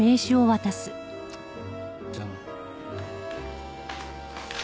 じゃあな。